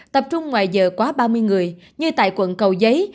tập trung ngoài giờ quá ba mươi người như tại quận cầu giấy